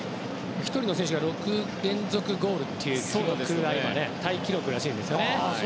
１人の選手が６連続ゴールっていうのは、今タイ記録らしいですね。